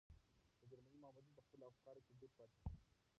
د جرمني مامورین په خپلو افکارو کې ډوب پاتې شول.